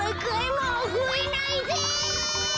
もうふえないで！